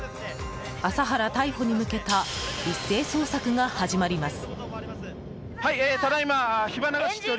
麻原逮捕に向けた一斉捜索が始まります。